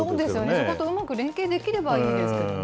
そことうまく連携できればいいですけどね。